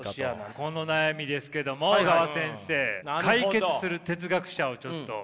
この悩みですけども小川先生解決する哲学者をちょっと。